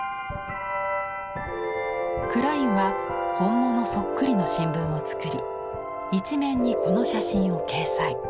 クラインは本物そっくりの新聞を作り１面にこの写真を掲載。